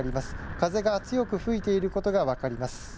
風が強く吹いていることが分かります。